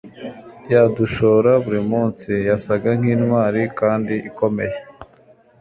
yadushora buri munsi, yasaga nkintwari kandi ikomeye